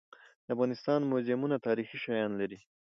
د افغانستان موزیمونه تاریخي شیان لري.